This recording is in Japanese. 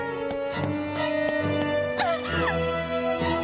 あっ！？